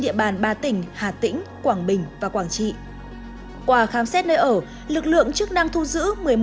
địa bàn ba tỉnh hà tĩnh quảng bình và quảng trị quà khám xét nơi ở lực lượng chức năng thu giữ một mươi một